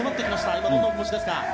今、どんなお気持ちですか？